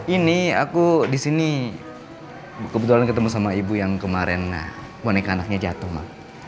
ini aku disini kebetulan ketemu sama ibu yang kemarin nah boneka anaknya jatuh ma